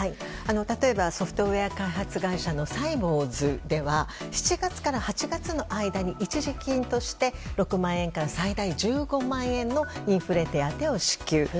例えばソフトウェア開発会社のサイボウズでは７月から８月の間に一時金として６万円から最大１５万円のインフレ手当を支給。